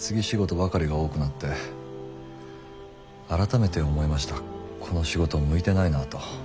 仕事ばかりが多くなって改めて思いましたこの仕事向いてないなと。